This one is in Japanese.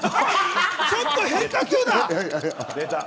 ちょっと変化球だ。